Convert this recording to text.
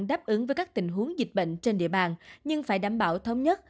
đáp ứng với các tình huống dịch bệnh trên địa bàn nhưng phải đảm bảo thống nhất